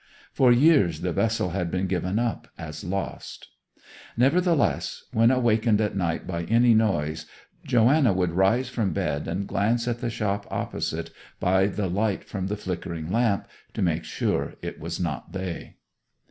For years the vessel had been given up as lost. Nevertheless, when awakened at night by any noise, Joanna would rise from bed and glance at the shop opposite by the light from the flickering lamp, to make sure it was not they.